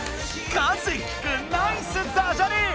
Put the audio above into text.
一樹くんナイスダジャレ！